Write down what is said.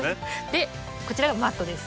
でこちらがマットです。